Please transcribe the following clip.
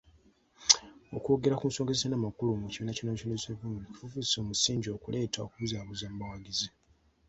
Okwogera ku nsonga ezitalina makulu mu kibiina ki National Resistance Movement kifuuse musingi okuleeta okubuzaabuza mu bawagizi.